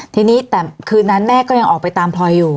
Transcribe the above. ทีนี้แต่คืนนั้นแม่ก็ยังออกไปตามพลอยอยู่